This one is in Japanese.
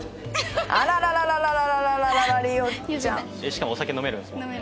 しかもお酒飲めるんですもんね？